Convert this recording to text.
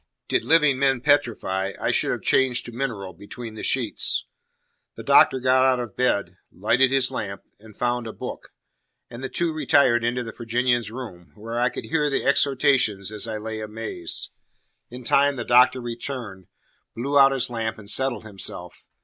Did living men petrify, I should have changed to mineral between the sheets. The Doctor got out of bed, lighted his lamp, and found a book; and the two retired into the Virginian's room, where I could hear the exhortations as I lay amazed. In time the Doctor returned, blew out his lamp, and settled himself.